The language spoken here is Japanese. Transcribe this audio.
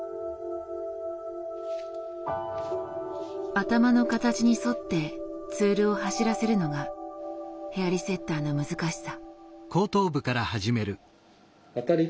頭の形に沿ってツールを走らせるのがヘアリセッターの難しさ。